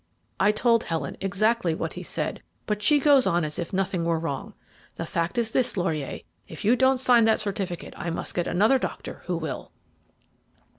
I told Helen exactly what he said, but she goes on as if nothing were wrong. The fact is this, Laurier, if you don't sign that certificate I must get another doctor who will."